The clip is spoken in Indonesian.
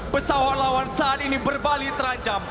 pesawat lawan saat ini berbali terancam